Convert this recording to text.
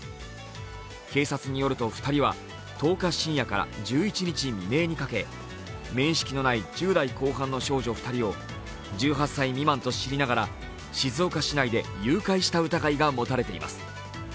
警察によると２人は１０日深夜から１１日未明にかけて、面識のない１０代後半の少女２人を１８歳未満と知りながら静岡市内で誘拐した疑いが持たれています。